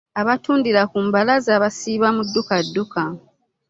abatundira ku mbalaza basiiba mu ddukadduka.